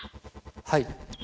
はい。